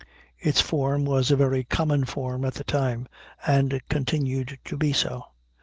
Its form was a very common form at the time, and continued to be so.